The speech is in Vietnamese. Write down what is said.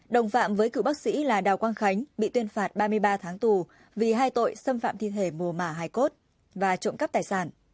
đồng phạm với cựu bác sĩ là đào quang khánh bị tuyên phạt ba mươi ba tháng tù vì hai tội xâm phạm thi thể mồ mả hải cốt và trộm cắp tài sản